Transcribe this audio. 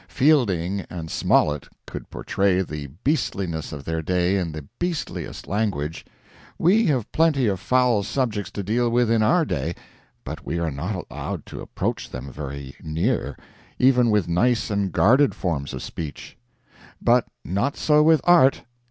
Fielding and Smollett could portray the beastliness of their day in the beastliest language; we have plenty of foul subjects to deal with in our day, but we are not allowed to approach them very near, even with nice and guarded forms of speech. But not so with Art.